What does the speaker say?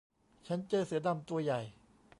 ฉันเจอเสือดำตัวใหญ่